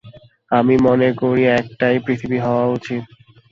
আমি মনে করি, একটাই পৃথিবী হওয়া উচিত।